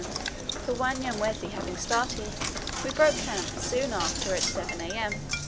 th, the Wanyamwezi having started, we broke camp soon after at 7 am.